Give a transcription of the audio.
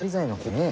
ねえ。